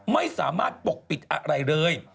ไม่สามารถปกปิดอะไรเลย